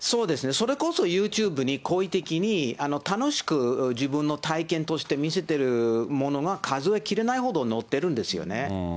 それこそユーチューブに好意的に楽しく自分の体験として見せてるものが、数え切れないほど載ってるんですよね。